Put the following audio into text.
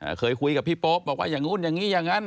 เคยคุยกับพี่โป๊ปบอกว่าอย่างนู้นอย่างงี้อย่างงั้น